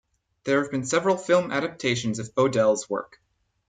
There have been several film adaptations of O'Dell's work.